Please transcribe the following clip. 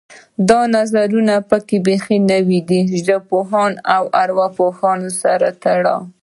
دا نظرونه پکې بیخي نوي دي چې ژبپوهنه او ارواپوهنه سره تړي